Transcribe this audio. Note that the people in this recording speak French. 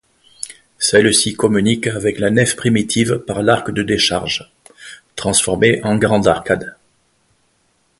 Celle-ci communique avec la nef primitive par l'arc de décharge, transformé en grande arcade.